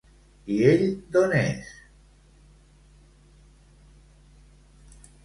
I ell d'on és?